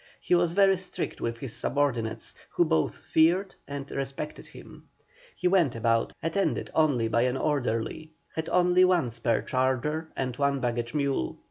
He was very strict with his subordinates, who both feared and respected him. He went about attended only by an orderly, had only one spare charger and one baggage mule.